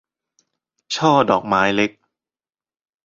ช่อดอกไม้เล็ก